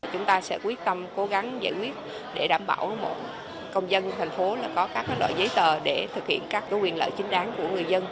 chúng ta sẽ quyết tâm cố gắng giải quyết để đảm bảo một công dân của thành phố có các loại giấy tờ để thực hiện các quyền lợi chính đáng của người dân